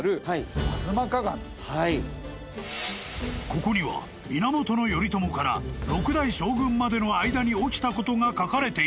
［ここには源頼朝から６代将軍までの間に起きたことが書かれている］